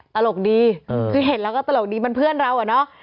ตลกดีคือเห็นแล้วก็ตลกดีมันเพื่อนเราอะเนาะ